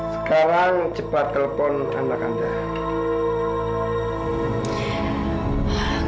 sekarang cepat kelepon anak anak